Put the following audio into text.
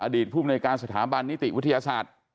อดีตผู้บริการสถาบันนิติวิทยาศาสตร์